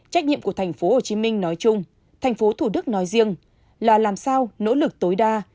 trách nhiệm của thành phố hồ chí minh nói chung thành phố thủ đức nói riêng là làm sao nỗ lực tối đa